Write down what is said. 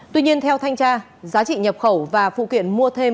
tuy nhiên theo thanh tra giá trị nhập khẩu và phụ kiện mua thêm